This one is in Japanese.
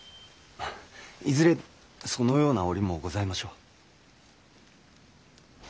いずれそのような折もございましょう。